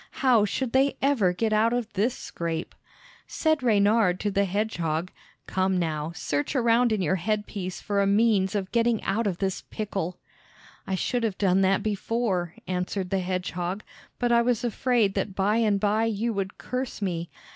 How should they ever get out of this scrape? Said Reynard to the hedgehog, "Come now, search around in your head piece for a means of getting out of this pickle." "I should have done that before," answered the hedgehog, "but I was afraid that by and by you would curse me.